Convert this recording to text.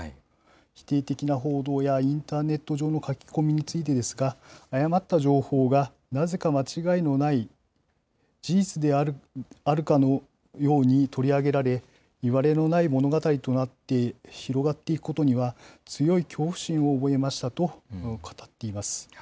否定的な報道や、インターネット上の書き込みについてですが、誤った情報がなぜか間違いのない事実であるかのように取り上げられ、いわれのない物語となって広がっていくことには、強い恐怖心を覚えましたと語っています。